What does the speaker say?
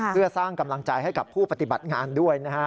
เพื่อสร้างกำลังใจให้กับผู้ปฏิบัติงานด้วยนะฮะ